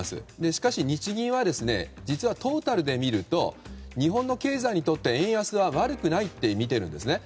しかし、日銀は実はトータルで見ると日本の経済にとって円安は悪くないと見ているんですね。